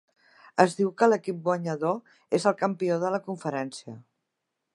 Es diu que l'equip guanyador es el campió de la conferència.